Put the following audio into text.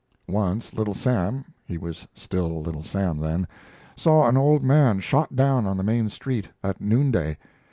Once Little Sam he was still Little Sam, then saw an old man shot down on the main street, at noonday.